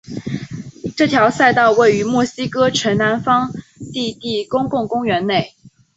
这条赛道位于墨西哥城南方的的公共公园内。